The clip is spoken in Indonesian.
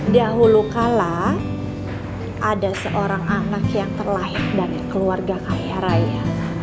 dahulu kala ada seorang anak yang terlahir dari keluarga kaya raya